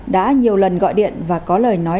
đã nhiều lần gọi điện và có lời nói